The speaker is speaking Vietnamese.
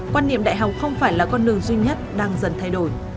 quan niệm đại học không phải là con đường duy nhất đang dần thay đổi